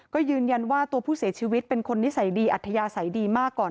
ก็ยืนยันว่าตัวผู้เสียชีวิตเป็นคนนิสัยดีอัธยาศัยดีมากก่อน